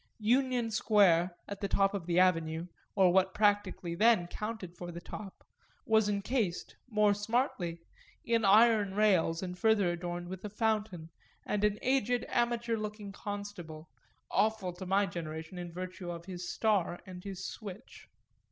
Union Square, at the top of the Avenue or what practically then counted for the top was encased, more smartly, in iron rails and further adorned with a fountain and an aged amateur looking constable, awful to my generation in virtue of his star and his switch.